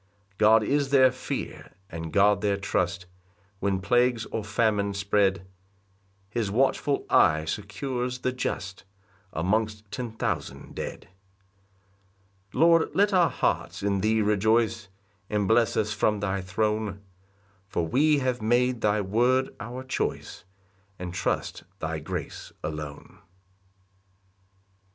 5 God is their fear, and God their trust, When plagues or famine spread, His watchful eye secures the just Amongst ten thousand dead. 6 Lord, let our hearts in thee rejoice, And bless us from thy throne; For we have made thy word our choice, And trust thy grace alone.